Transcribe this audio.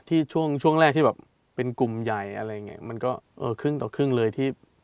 ช่วงช่วงแรกที่แบบเป็นกลุ่มใหญ่อะไรอย่างเงี้ยมันก็เออครึ่งต่อครึ่งเลยที่